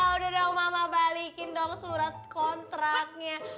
udah dong mama balikin dong surat kontraknya